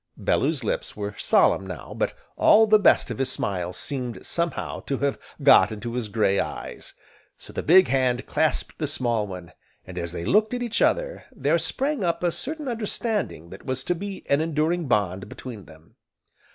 Bellew's lips were solemn now, but all the best of his smile seemed, somehow, to have got into his gray eyes. So the big hand clasped the small one, and as they looked at each other, there sprang up a certain understanding that was to be an enduring bond between them.